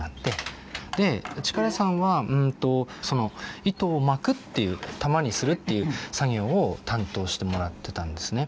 で力さんはその糸を巻くっていう玉にするっていう作業を担当してもらってたんですね。